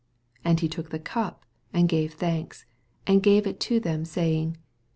27 And he took the cap, ana ^ave thanks, and gave U to them, saymg.